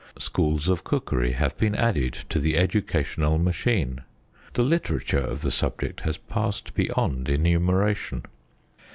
Schools of cookery have been added to the educational machine. The literature of the subject has passed beyond enumeration.